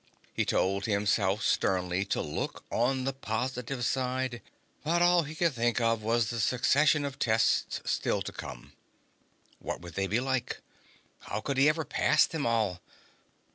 He told himself sternly to look on the positive side, but all he could think of was the succession of tests still to come. What would they be like? How could he ever pass them all?